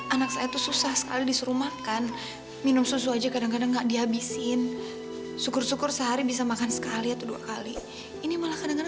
anak mereka kelihatan sehat dan bahagia